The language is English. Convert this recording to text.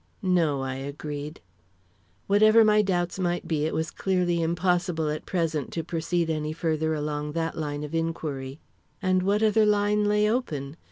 "No," I agreed. Whatever my doubts might be, it was clearly impossible at present to proceed any further along that line of inquiry. And what other line lay open?